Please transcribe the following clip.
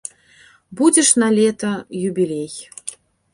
Будзе ж налета юбілей!